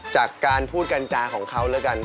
จากการพูดกัญจาของเขาแล้วกัน